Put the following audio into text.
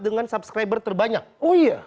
dengan subscriber terbanyak oh iya